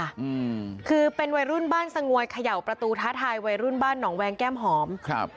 อืมคือเป็นวัยรุ่นบ้านสงวยเขย่าประตูท้าทายวัยรุ่นบ้านหนองแวงแก้มหอมครับ